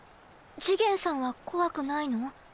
次元さんは怖くないの？